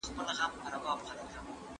هغه نظام چي پر تجربه ولاړ وي تلپاتی وي.